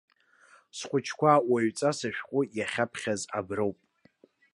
Схәыҷқәа уаҩҵас ашәҟәы иахьаԥхьаз аброуп.